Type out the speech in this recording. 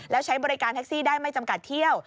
แล้วใช้บริการแท็กซี่ได้ไม่จำกัดเที่ยว